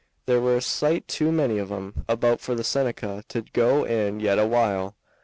There were a sight too many of 'em about for the Seneca to go in yet awhile.